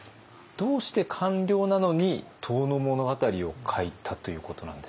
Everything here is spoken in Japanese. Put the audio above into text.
どうして官僚なのに「遠野物語」を書いたということなんですか？